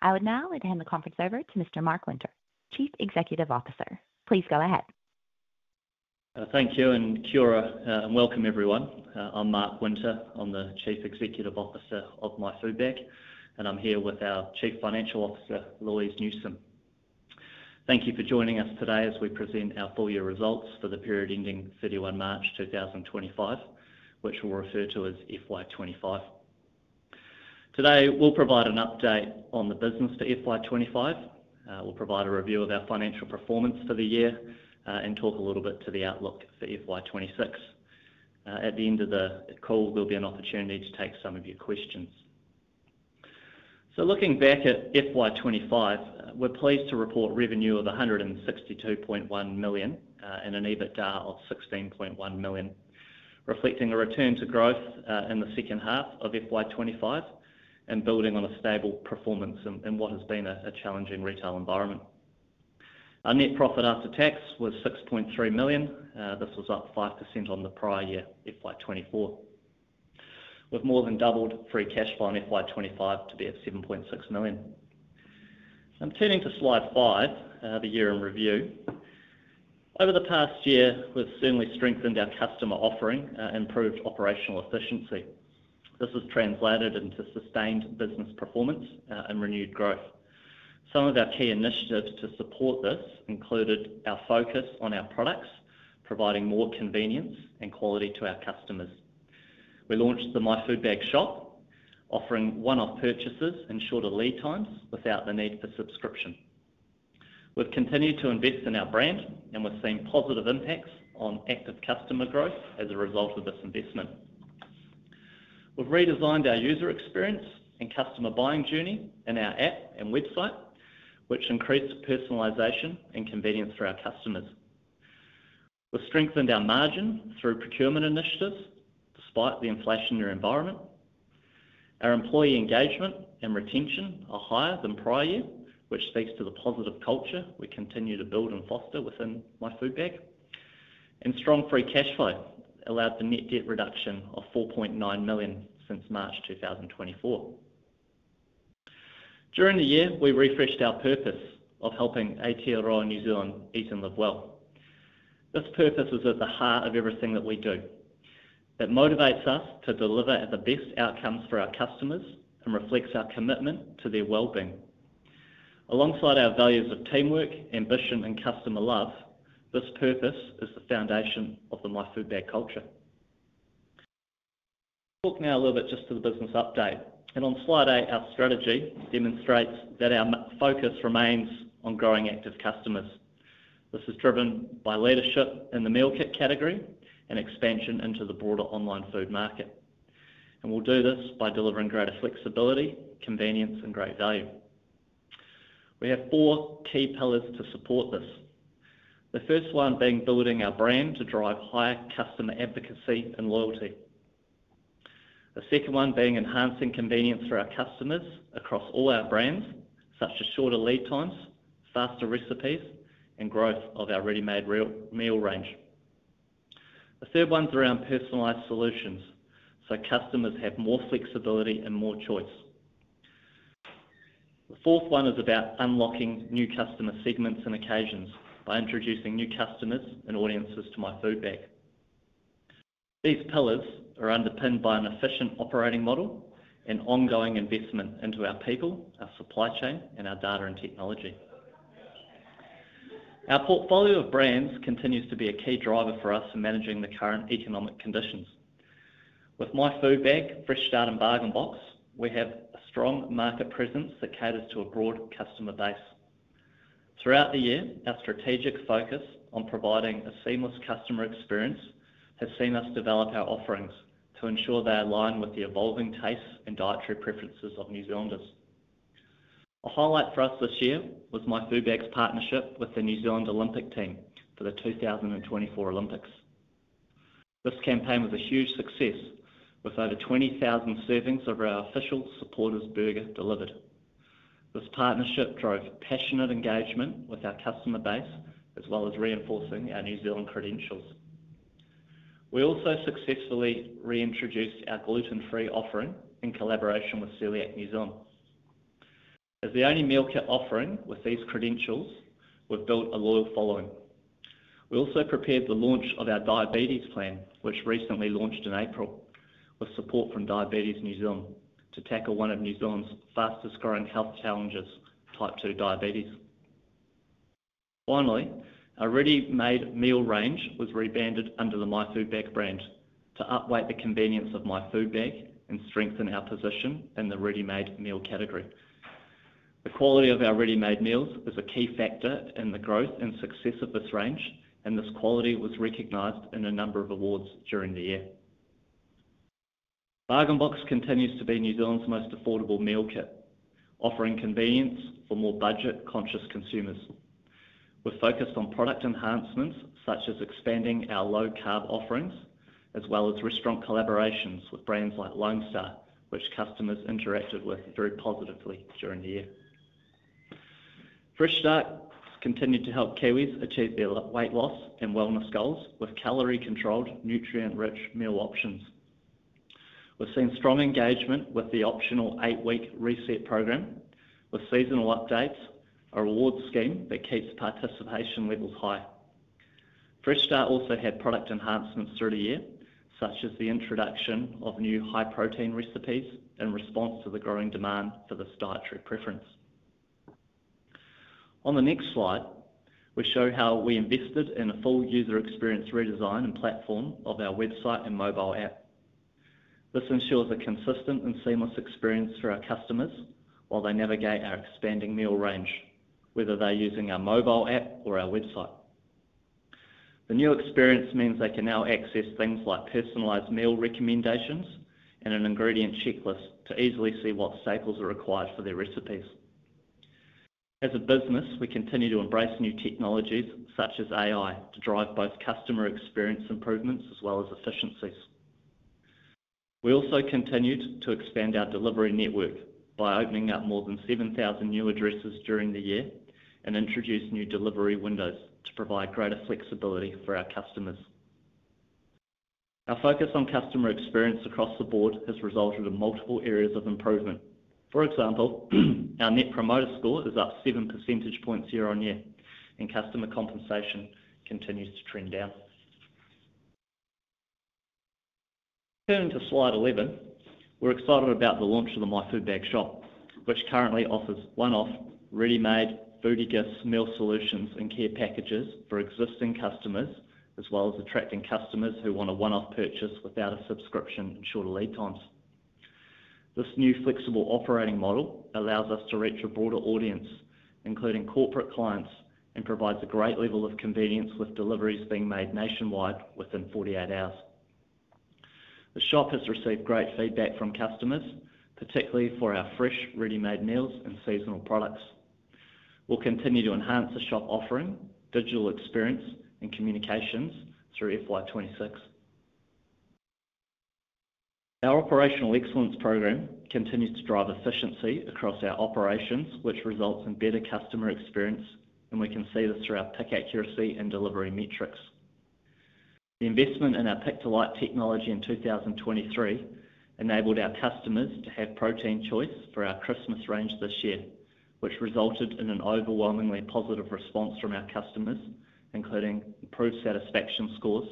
I would now like to hand the conference over to Mr. Mark Winter, Chief Executive Officer. Please go ahead. Thank you, and Kia ora, and welcome everyone. I'm Mark Winter. I'm the Chief Executive Officer of My Food Bag, and I'm here with our Chief Financial Officer, Louise Newsome. Thank you for joining us today as we present our full year results for the period ending 31 March 2025, which we'll refer to as FY25. Today, we'll provide an update on the business for FY25. We'll provide a review of our financial performance for the year and talk a little bit to the outlook for FY26. At the end of the call, there'll be an opportunity to take some of your questions. Looking back at FY25, we're pleased to report revenue of 162.1 million and an EBITDA of 16.1 million, reflecting a return to growth in the second half of FY25 and building on a stable performance in what has been a challenging retail environment. Our net profit after tax was $6.3 million. This was up 5% on the prior year, FY2024, with more than doubled free cash flow in FY2025 to be at $7.6 million. Turning to slide five, the year in review. Over the past year, we've certainly strengthened our customer offering and improved operational efficiency. This has translated into sustained business performance and renewed growth. Some of our key initiatives to support this included our focus on our products, providing more convenience and quality to our customers. We launched the My Food Bag shop, offering one-off purchases and shorter lead times without the need for subscription. We've continued to invest in our brand, and we've seen positive impacts on active customer growth as a result of this investment. We've redesigned our user experience and customer buying journey in our app and website, which increased personalisation and convenience for our customers. We've strengthened our margin through procurement initiatives despite the inflationary environment. Our employee engagement and retention are higher than prior year, which speaks to the positive culture we continue to build and foster within My Food Bag. Strong free cash flow allowed for net debt reduction of 4.9 million since March 2024. During the year, we refreshed our purpose of helping Aotearoa New Zealand eat and live well. This purpose is at the heart of everything that we do. It motivates us to deliver the best outcomes for our customers and reflects our commitment to their well-being. Alongside our values of teamwork, ambition, and customer love, this purpose is the foundation of the My Food Bag culture. I'll talk now a little bit just to the business update. On slide eight, our strategy demonstrates that our focus remains on growing active customers. This is driven by leadership in the meal kit category and expansion into the broader online food market. We will do this by delivering greater flexibility, convenience, and great value. We have four key pillars to support this. The first one being building our brand to drive higher customer advocacy and loyalty. The second one being enhancing convenience for our customers across all our brands, such as shorter lead times, faster recipes, and growth of our ready-made meal range. The third one is around personalised solutions, so customers have more flexibility and more choice. The fourth one is about unlocking new customer segments and occasions by introducing new customers and audiences to My Food Bag. These pillars are underpinned by an efficient operating model and ongoing investment into our people, our supply chain, and our data and technology. Our portfolio of brands continues to be a key driver for us in managing the current economic conditions. With My Food Bag, Fresh Start, and Bargain Box, we have a strong market presence that caters to a broad customer base. Throughout the year, our strategic focus on providing a seamless customer experience has seen us develop our offerings to ensure they align with the evolving tastes and dietary preferences of New Zealanders. A highlight for us this year was My Food Bag's partnership with the New Zealand Olympic team for the 2024 Olympics. This campaign was a huge success, with over 20,000 servings of our official supporters' burger delivered. This partnership drove passionate engagement with our customer base, as well as reinforcing our New Zealand credentials. We also successfully reintroduced our gluten-free offering in collaboration with Celiac New Zealand. As the only meal kit offering with these credentials, we've built a loyal following. We also prepared the launch of our diabetes plan, which recently launched in April, with support from Diabetes New Zealand to tackle one of New Zealand's fastest-growing health challenges, type 2 diabetes. Finally, our ready-made meal range was rebranded under the My Food Bag brand to update the convenience of My Food Bag and strengthen our position in the ready-made meal category. The quality of our ready-made meals is a key factor in the growth and success of this range, and this quality was recognized in a number of awards during the year. Bargain Box continues to be New Zealand's most affordable meal kit, offering convenience for more budget-conscious consumers. We've focused on product enhancements, such as expanding our low-carb offerings, as well as restaurant collaborations with brands like Lone Star, which customers interacted with very positively during the year. Fresh Start has continued to help Kiwis achieve their weight loss and wellness goals with calorie-controlled, nutrient-rich meal options. We've seen strong engagement with the optional eight-week reset program, with seasonal updates, a rewards scheme that keeps participation levels high. Fresh Start also had product enhancements through the year, such as the introduction of new high-protein recipes in response to the growing demand for this dietary preference. On the next slide, we show how we invested in a full user experience redesign and platform of our website and mobile app. This ensures a consistent and seamless experience for our customers while they navigate our expanding meal range, whether they're using our mobile app or our website. The new experience means they can now access things like personalised meal recommendations and an ingredient checklist to easily see what staples are required for their recipes. As a business, we continue to embrace new technologies such as AI to drive both customer experience improvements as well as efficiencies. We also continued to expand our delivery network by opening up more than 7,000 new addresses during the year and introduced new delivery windows to provide greater flexibility for our customers. Our focus on customer experience across the board has resulted in multiple areas of improvement. For example, our net promoter score is up 7 percentage points year on year, and customer compensation continues to trend down. Turning to slide 11, we're excited about the launch of the My Food Bag shop, which currently offers one-off, ready-made meals and care packages for existing customers, as well as attracting customers who want a one-off purchase without a subscription and shorter lead times. This new flexible operating model allows us to reach a broader audience, including corporate clients, and provides a great level of convenience with deliveries being made nationwide within 48 hours. The shop has received great feedback from customers, particularly for our fresh, ready-made meals and seasonal products. We'll continue to enhance the shop offering, digital experience, and communications through FY26. Our operational excellence program continues to drive efficiency across our operations, which results in better customer experience, and we can see this through our pick accuracy and delivery metrics. The investment in our pick-to-light technology in 2023 enabled our customers to have protein choice for our Christmas range this year, which resulted in an overwhelmingly positive response from our customers, including improved satisfaction scores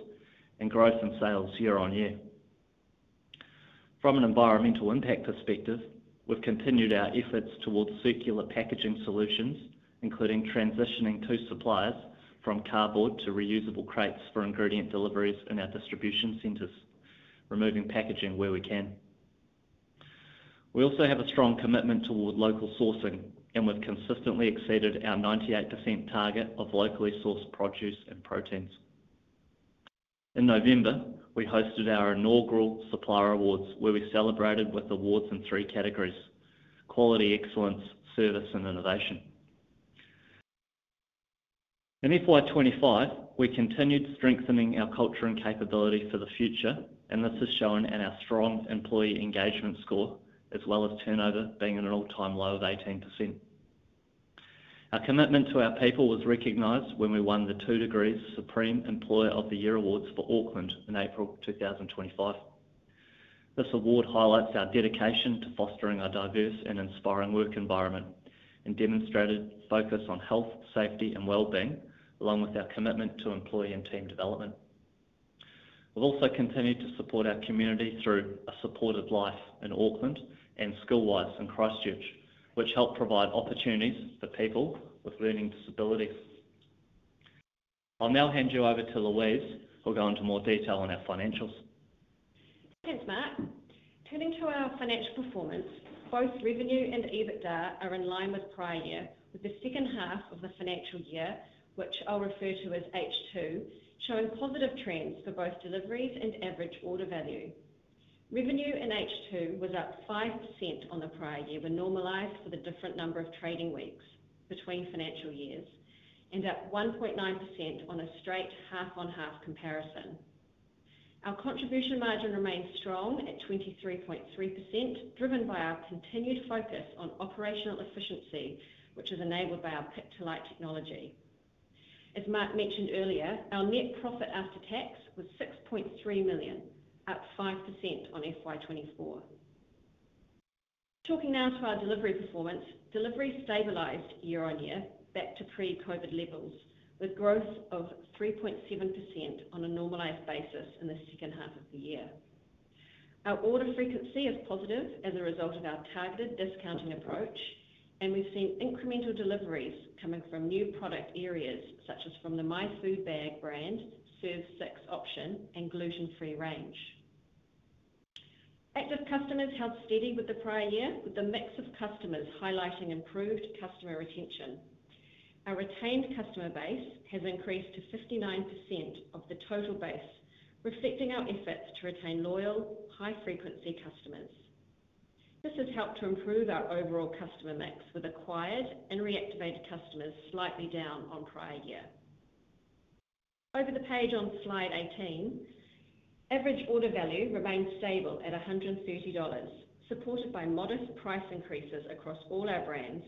and growth in sales year on year. From an environmental impact perspective, we've continued our efforts towards circular packaging solutions, including transitioning two suppliers from cardboard to reusable crates for ingredient deliveries in our distribution centers, removing packaging where we can. We also have a strong commitment toward local sourcing, and we've consistently exceeded our 98% target of locally sourced produce and proteins. In November, we hosted our inaugural Supplier Awards, where we celebrated with awards in three categories: quality, excellence, service, and innovation. In FY25, we continued strengthening our culture and capability for the future, and this is shown in our strong employee engagement score, as well as turnover being at an all-time low of 18%. Our commitment to our people was recognized when we won the 2degrees Supreme Employer of the Year awards for Auckland in April 2025. This award highlights our dedication to fostering a diverse and inspiring work environment and demonstrated focus on health, safety, and well-being, along with our commitment to employee and team development. We've also continued to support our community through a supportive life in Auckland and school lives in Christchurch, which help provide opportunities for people with learning disabilities. I'll now hand you over to Louise, who'll go into more detail on our financials. Thanks, Mark. Turning to our financial performance, both revenue and EBITDA are in line with prior year, with the second half of the financial year, which I'll refer to as H2, showing positive trends for both deliveries and average order value. Revenue in H2 was up 5% on the prior year, when normalized for the different number of trading weeks between financial years, and up 1.9% on a straight half-on-half comparison. Our contribution margin remains strong at 23.3%, driven by our continued focus on operational efficiency, which is enabled by our pick-to-light technology. As Mark mentioned earlier, our net profit after tax was 6.3 million, up 5% on FY24. Talking now to our delivery performance, deliveries stabilized year on year, back to pre-COVID levels, with growth of 3.7% on a normalized basis in the second half of the year. Our order frequency is positive as a result of our targeted discounting approach, and we've seen incremental deliveries coming from new product areas, such as from the My Food Bag brand, Serve 6 option, and gluten-free range. Active customers held steady with the prior year, with the mix of customers highlighting improved customer retention. Our retained customer base has increased to 59% of the total base, reflecting our efforts to retain loyal, high-frequency customers. This has helped to improve our overall customer mix, with acquired and reactivated customers slightly down on prior year. Over the page on slide 18, average order value remained stable at 130 dollars, supported by modest price increases across all our brands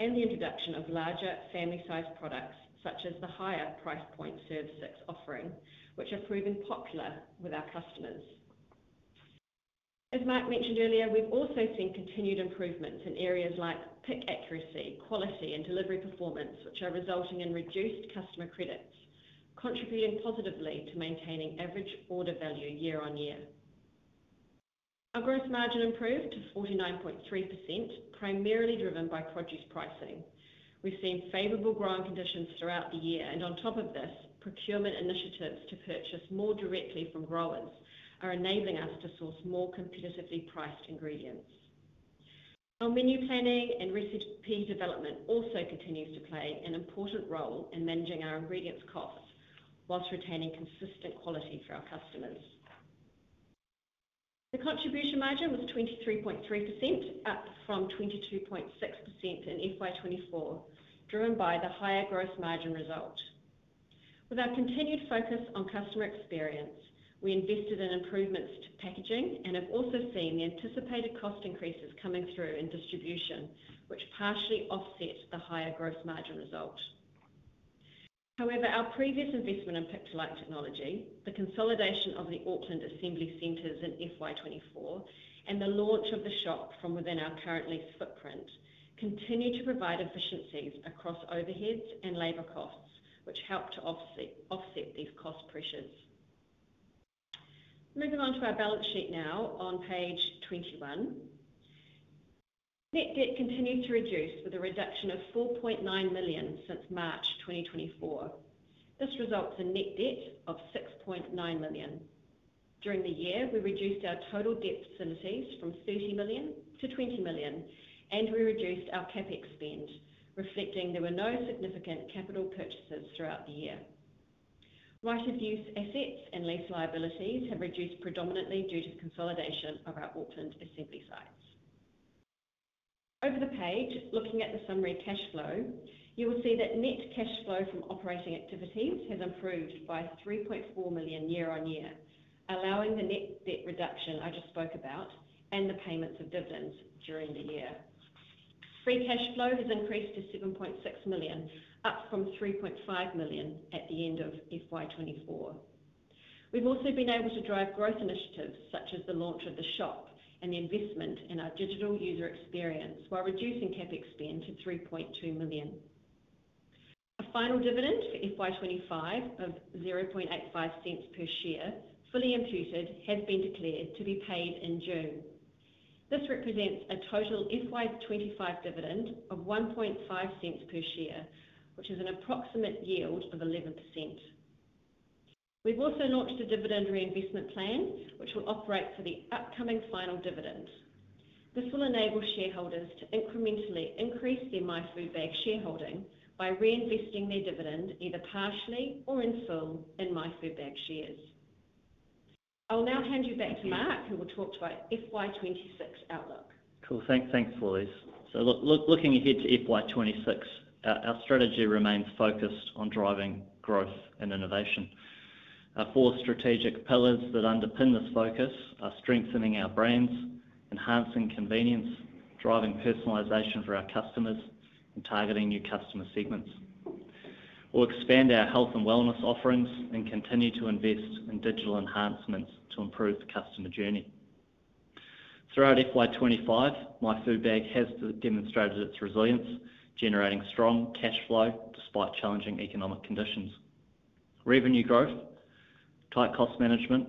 and the introduction of larger family-sized products, such as the higher price point Serve 6 offering, which have proven popular with our customers. As Mark mentioned earlier, we've also seen continued improvements in areas like pick accuracy, quality, and delivery performance, which are resulting in reduced customer credits, contributing positively to maintaining average order value year on year. Our gross margin improved to 49.3%, primarily driven by produce pricing. We've seen favorable growing conditions throughout the year, and on top of this, procurement initiatives to purchase more directly from growers are enabling us to source more competitively priced ingredients. Our menu planning and recipe development also continues to play an important role in managing our ingredients costs whilst retaining consistent quality for our customers. The contribution margin was 23.3%, up from 22.6% in FY24, driven by the higher gross margin result. With our continued focus on customer experience, we invested in improvements to packaging and have also seen the anticipated cost increases coming through in distribution, which partially offset the higher gross margin result. However, our previous investment in pick-to-light technology, the consolidation of the Auckland Assembly Centres in FY24, and the launch of the shop from within our current lease footprint continue to provide efficiencies across overheads and labor costs, which help to offset these cost pressures. Moving on to our balance sheet now on page 21, net debt continues to reduce with a reduction of 4.9 million since March 2024. This results in net debt of 6.9 million. During the year, we reduced our total debt facilities from 30 million to 20 million, and we reduced our CapEx spend, reflecting there were no significant capital purchases throughout the year. Right-of-use assets and lease liabilities have reduced predominantly due to the consolidation of our Auckland Assembly sites. Over the page, looking at the summary cash flow, you will see that net cash flow from operating activities has improved by $3.4 million year on year, allowing the net debt reduction I just spoke about and the payments of dividends during the year. Free cash flow has increased to $7.6 million, up from $3.5 million at the end of FY2024. We've also been able to drive growth initiatives such as the launch of the shop and the investment in our digital user experience while reducing CapEx spend to $3.2 million. A final dividend for FY2025 of $0.0085 per share, fully imputed, has been declared to be paid in June. This represents a total FY2025 dividend of $0.015 per share, which is an approximate yield of 11%. We've also launched a dividend reinvestment plan, which will operate for the upcoming final dividend. This will enable shareholders to incrementally increase their My Food Bag shareholding by reinvesting their dividend either partially or in full in My Food Bag shares. I'll now hand you back to Mark, who will talk to our FY26 outlook. Cool. Thanks, Louise. Looking ahead to FY26, our strategy remains focused on driving growth and innovation. Our four strategic pillars that underpin this focus are strengthening our brands, enhancing convenience, driving personalization for our customers, and targeting new customer segments. We'll expand our health and wellness offerings and continue to invest in digital enhancements to improve the customer journey. Throughout FY25, My Food Bag has demonstrated its resilience, generating strong cash flow despite challenging economic conditions. Revenue growth, tight cost management,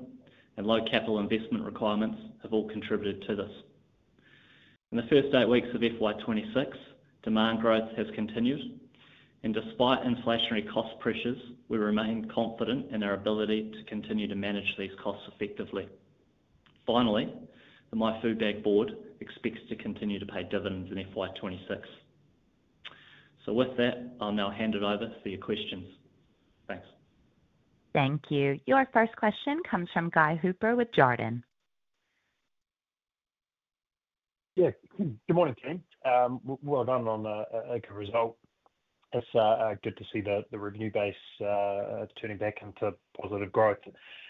and low capital investment requirements have all contributed to this. In the first eight weeks of FY26, demand growth has continued, and despite inflationary cost pressures, we remain confident in our ability to continue to manage these costs effectively. Finally, the My Food Bag Board expects to continue to pay dividends in FY26. With that, I'll now hand it over for your questions. Thanks. Thank you. Your first question comes from Guy Hooper with Jarden. Yeah. Good morning, team. Well done on the ECO result. It's good to see the review base turning back into positive growth.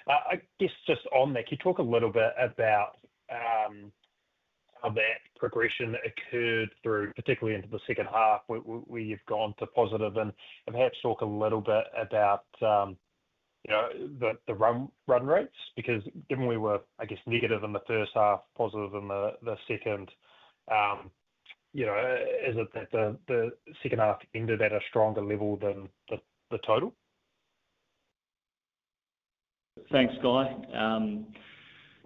I guess just on that, could you talk a little bit about how that progression occurred through, particularly into the second half, where you've gone to positive? And perhaps talk a little bit about the run rates, because given we were, I guess, negative in the first half, positive in the second, is it that the second half ended at a stronger level than the total? Thanks, Guy.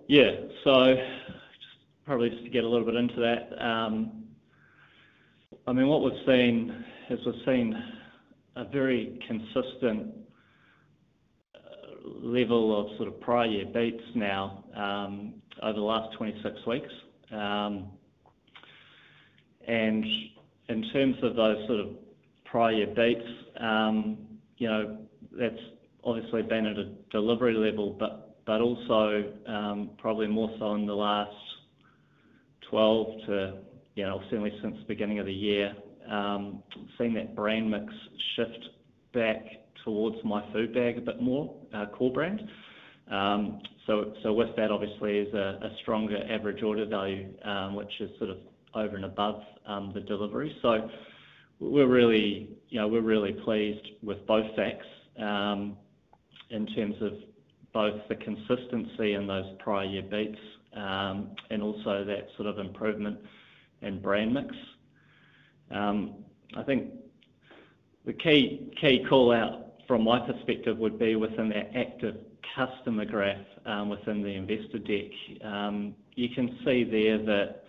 Yeah. So just probably just to get a little bit into that, I mean, what we've seen is we've seen a very consistent level of sort of prior year beats now over the last 26 weeks. In terms of those sort of prior year beats, that's obviously been at a delivery level, but also probably more so in the last 12 to, certainly since the beginning of the year, seeing that brand mix shift back towards My Food Bag a bit more, our core brand. With that, obviously, is a stronger average order value, which is sort of over and above the delivery. We're really pleased with both facts in terms of both the consistency in those prior year beats and also that sort of improvement in brand mix. I think the key call-out from my perspective would be within that active customer graph within the investor deck. You can see there that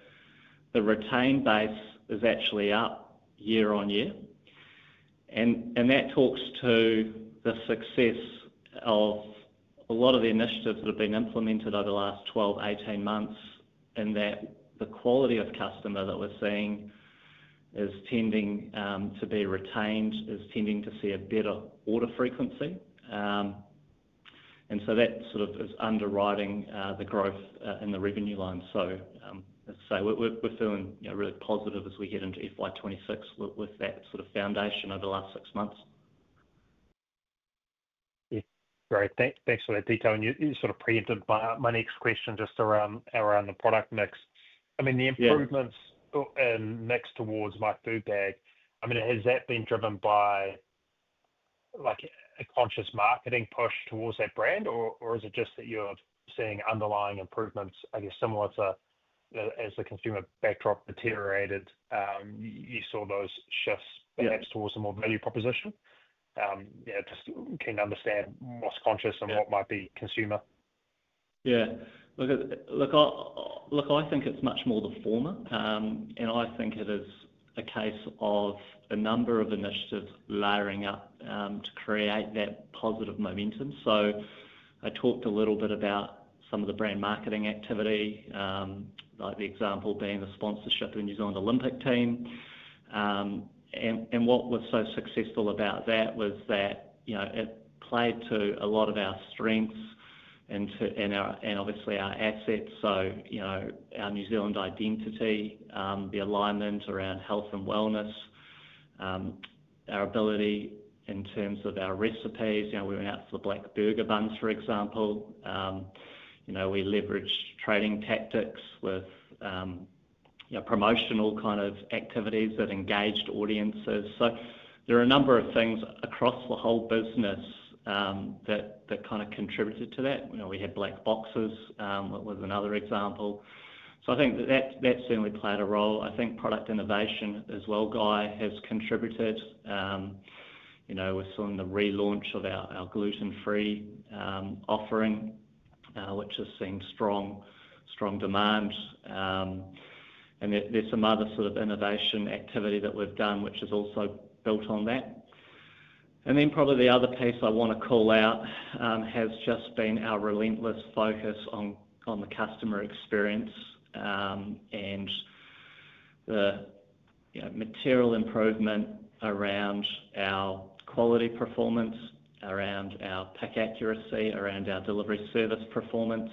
the retained base is actually up year on year. That talks to the success of a lot of the initiatives that have been implemented over the last 12, 18 months, in that the quality of customer that we're seeing is tending to be retained, is tending to see a better order frequency. That sort of is underwriting the growth in the revenue line. We are feeling really positive as we head into FY26 with that sort of foundation over the last six months. Yeah. Great. Thanks for that detail. You sort of preempted my next question just around the product mix. I mean, the improvements in mix towards My Food Bag, I mean, has that been driven by a conscious marketing push towards that brand, or is it just that you're seeing underlying improvements, I guess, similar to as the consumer backdrop deteriorated, you saw those shifts perhaps towards a more value proposition? Just keen to understand what's conscious and what might be consumer. Yeah. Look, I think it's much more the former. I think it is a case of a number of initiatives layering up to create that positive momentum. I talked a little bit about some of the brand marketing activity, like the example being the sponsorship of the New Zealand Olympic team. What was so successful about that was that it played to a lot of our strengths and obviously our assets. Our New Zealand identity, the alignment around health and wellness, our ability in terms of our recipes. We went out for the black burger buns, for example. We leveraged trading tactics with promotional kind of activities that engaged audiences. There are a number of things across the whole business that kind of contributed to that. We had black boxes, was another example. I think that certainly played a role. I think product innovation as well, Guy, has contributed. We're seeing the relaunch of our gluten-free offering, which has seen strong demand. There's some other sort of innovation activity that we've done, which has also built on that. Probably the other piece I want to call out has just been our relentless focus on the customer experience and the material improvement around our quality performance, around our pack accuracy, around our delivery service performance.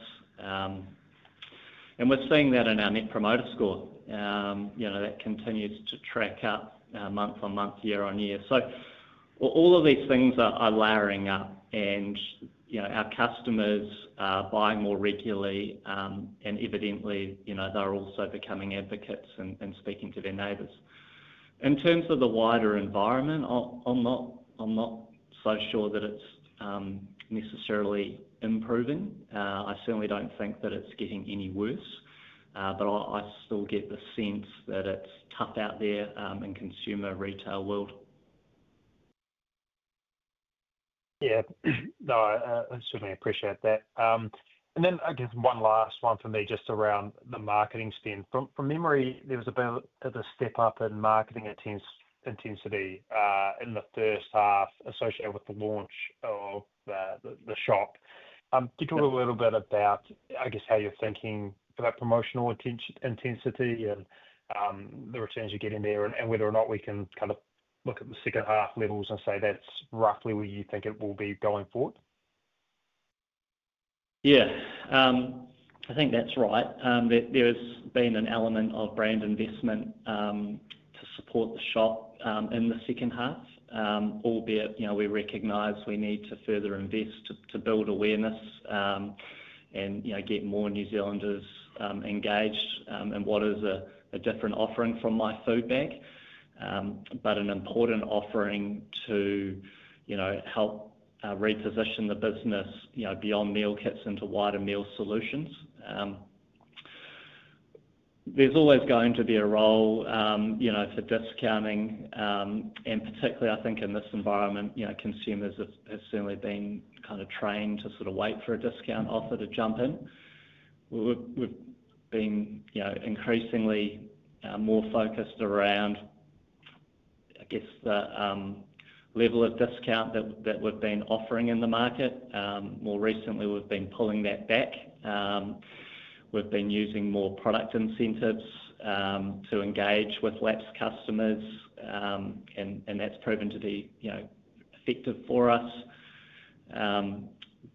We're seeing that in our net promoter score. That continues to track up month on month, year on year. All of these things are layering up, and our customers are buying more regularly. Evidently, they're also becoming advocates and speaking to their neighbours. In terms of the wider environment, I'm not so sure that it's necessarily improving. I certainly don't think that it's getting any worse, but I still get the sense that it's tough out there in the consumer retail world. Yeah. No, I certainly appreciate that. I guess one last one for me just around the marketing spend. From memory, there was a bit of a step up in marketing intensity in the first half associated with the launch of the shop. Could you talk a little bit about, I guess, how you're thinking about promotional intensity and the returns you're getting there and whether or not we can kind of look at the second half levels and say that's roughly where you think it will be going forward? Yeah. I think that's right. There has been an element of brand investment to support the shop in the second half, albeit we recognize we need to further invest to build awareness and get more New Zealanders engaged in what is a different offering from My Food Bag, but an important offering to help reposition the business beyond meal kits into wider meal solutions. There's always going to be a role for discounting. Particularly, I think in this environment, consumers have certainly been kind of trained to sort of wait for a discount offer to jump in. We've been increasingly more focused around, I guess, the level of discount that we've been offering in the market. More recently, we've been pulling that back. We've been using more product incentives to engage with lapsed customers, and that's proven to be effective for us.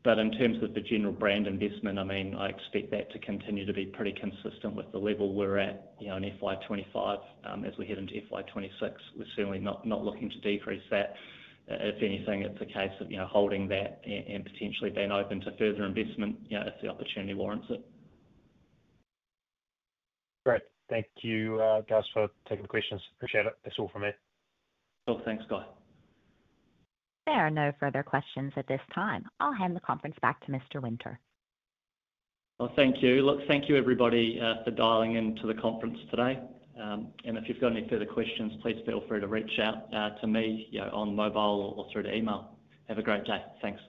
In terms of the general brand investment, I mean, I expect that to continue to be pretty consistent with the level we're at in FY25 as we head into FY26. We're certainly not looking to decrease that. If anything, it's a case of holding that and potentially being open to further investment if the opportunity warrants it. Great. Thank you, guys, for taking the questions. Appreciate it. That's all from me. Cool. Thanks, Guy. There are no further questions at this time. I'll hand the conference back to Mr. Winter. Thank you. Look, thank you, everybody, for dialing into the conference today. If you've got any further questions, please feel free to reach out to me on mobile or through the email. Have a great day. Thanks.